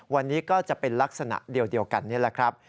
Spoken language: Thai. วันนี้ก็จะเป็นลักษณะเดียวกันนี่แหละครับ